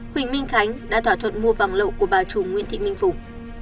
huỳnh minh khánh đã thỏa thuận mua vàng lậu của bà chủ nguyễn thị minh phụng